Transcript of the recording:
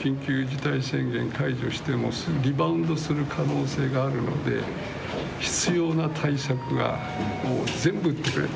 緊急事態宣言を解除してもすぐリバウンドする可能性があるので必要な対策は全部打ってくれと。